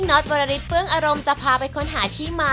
อตวรริสเฟื้องอารมณ์จะพาไปค้นหาที่มา